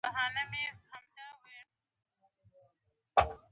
د نجونو تعلیم د کورنۍ خوارۍ مخنیوی دی.